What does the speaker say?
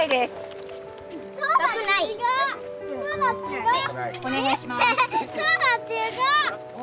すごい！